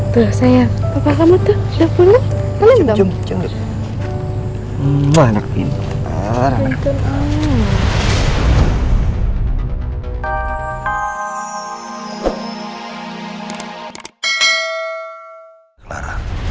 tuh saya apa kamu tuh jokowi hendong cengkut banyak pintar pintar